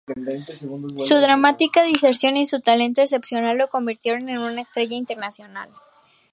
Su dramática deserción y su talento excepcional lo convirtieron en una estrella internacional.